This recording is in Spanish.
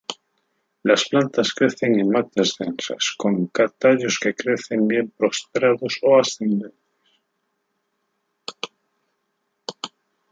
Las plantas crecen en matas densas, con tallos que crecen, bien postrados o ascendentes.